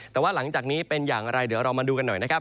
แต่ว่าหลังจากนี้เป็นอย่างไรเดี๋ยวเรามาดูกันหน่อยนะครับ